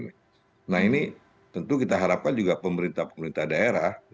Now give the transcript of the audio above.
nah ini tentu kita harapkan juga pemerintah pemerintah daerah